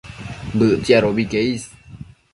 Bëtsiadobi que is